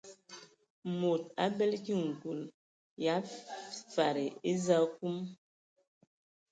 Mod abələ ki ngul ya fadi eza akum.